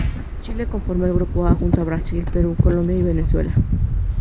Chile conformó el "Grupo A", junto a Brasil, Perú, Colombia y Venezuela.